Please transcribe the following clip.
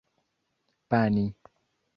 bani